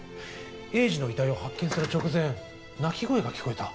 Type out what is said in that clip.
栄治の遺体を発見する直前鳴き声が聞こえた。